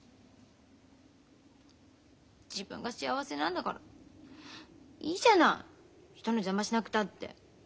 自分が幸せなんだからいいじゃない人の邪魔しなくたって。